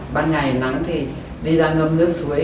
ban ngày nắng thì đi ra ngâm nước suối